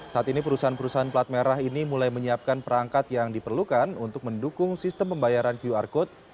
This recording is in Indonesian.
saat ini perusahaan perusahaan plat merah ini mulai menyiapkan perangkat yang diperlukan untuk mendukung sistem pembayaran qr code